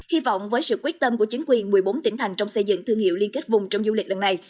hy vọng với sự quyết tâm của chính quyền một mươi bốn tỉnh thành trong xây dựng thương hiệu liên kết vùng trong du lịch lần này